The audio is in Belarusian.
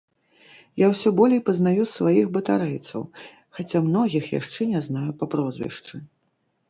Я ўсё болей пазнаю сваіх батарэйцаў, хаця многіх яшчэ не знаю па прозвішчы.